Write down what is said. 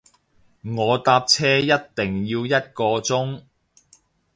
我搭車一定要一個鐘